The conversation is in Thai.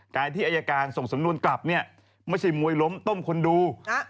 การที่อายการส่งสำนวนกลับเนี่ยไม่ใช่มวยล้มต้มคนดู